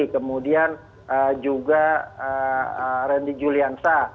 kemudian juga randy juliansa